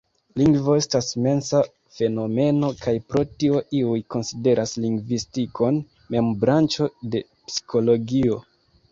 Lingvo estas mensa fenomeno, kaj pro tio iuj konsideras lingvistikon mem branĉo de psikologio.